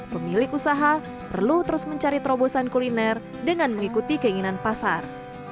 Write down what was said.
pemilik usaha perlu terus mencari terobosan kuliner dengan mengikuti keinginan pasar